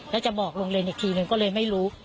แล้วจะบอกโรงเรียนอีกทีหนึ่งก็เลยไม่รู้